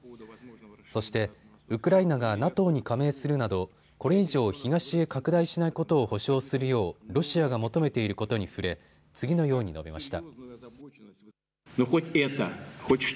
そして、ウクライナがＮＡＴＯに加盟するなどこれ以上、東へ拡大しないことを保証するようロシアが求めていることに触れ、次のように述べました。